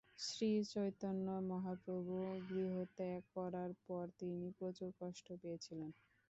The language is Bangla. শ্রী চৈতন্য মহাপ্রভু গৃহত্যাগ করার পর তিনি প্রচুর কষ্ট পেয়েছিলেন।